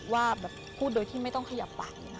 ว่าพูดโดยที่ไม่ต้องขยับปากเลยนะ